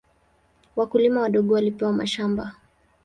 Wakulima wadogo walipewa mashamba.